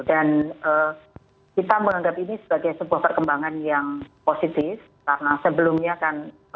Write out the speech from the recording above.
dan kita menganggap ini sebagai sebuah perkembangan yang positif karena sebelumnya kan